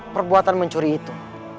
perbuatan mencuri itu